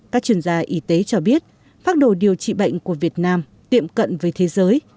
các chuyên gia y tế cho biết phác đồ điều trị bệnh của việt nam tiệm cận với thế giới